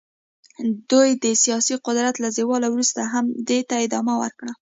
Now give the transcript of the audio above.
دوی د سیاسي قدرت له زوال وروسته هم دې ته ادامه ورکړه.